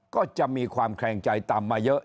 ก็จะมีความแคลงใจตามมาเยอะ